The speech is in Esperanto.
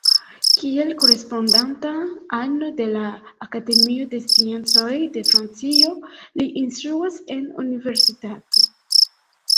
Kiel korespondanta ano de la Akademio de Sciencoj de Francio, li instruas en universitato.